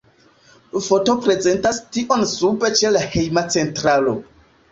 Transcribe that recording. Foto prezentas tion sube ĉe la hejma centralo.